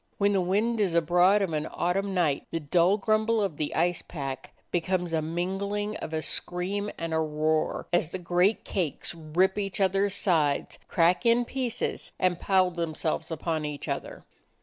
When the wind is abroad of an autumn night the dull grumble of the ice pack be comes a mingling of a scream and a roar, as the great cakes rip each other's sides, crack in pieces, and pile themselves upon each other.